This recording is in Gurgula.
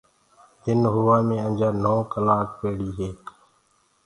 دن هووآ مي اجآنٚ نو ڪلآڪ پيڙي هي